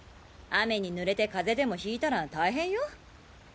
雨にぬれて風邪でも引いたら大変よ。